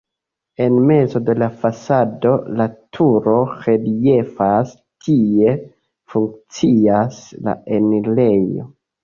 En mezo de la fasado la turo reliefas, tie funkcias la enirejo.